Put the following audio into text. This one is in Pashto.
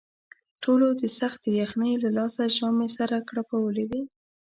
ټولو د سختې یخنۍ له لاسه ژامې سره کړپولې وې.